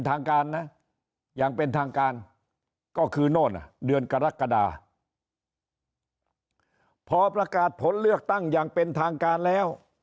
ทางการนะอย่างเป็นทางการก็คือโน่นเดือนกรกฎาพอประกาศผลเลือกตั้งอย่างเป็นทางการแล้ว